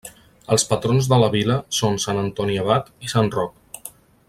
Els patrons de la vila són sant Antoni Abat i sant Roc.